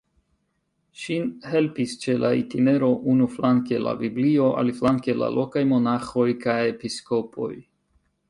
Ŝin helpis ĉe la itinero unuflanke la Biblio, aliflanke la lokaj monaĥoj kaj episkopoj.